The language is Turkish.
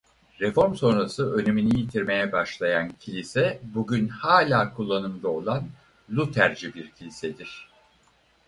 Reform sonrası önemini yitirmeye başlayan kilise bugün hala kullanımda olan lutherci bir kilisedir.